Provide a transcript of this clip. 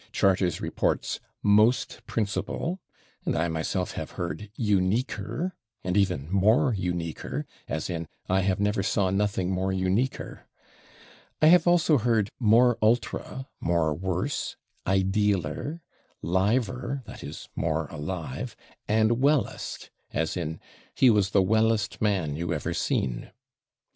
Charters reports /most principal/, and I myself have heard /uniquer/ and even /more uniquer/, as in "I have never saw nothing /more uniquer/." I have also heard /more ultra/, /more worse/, /idealer/, /liver/ (that is, /more alive/), and /wellest/, as in "he was the /wellest/ man you ever seen."